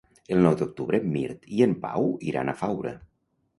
El nou d'octubre en Mirt i en Pau iran a Faura.